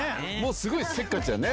すごいせっかちだね。